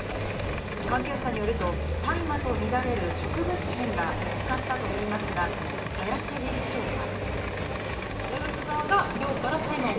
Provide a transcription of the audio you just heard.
関係者によると、大麻とみられる植物片が見つかったといいますが、林理事長は。